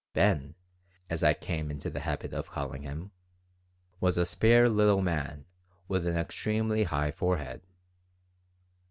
Ben as I came into the habit of calling him was a spare little man with an extremely high forehead.